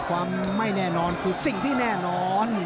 ความไม่แน่นอนคือสิ่งที่แน่นอน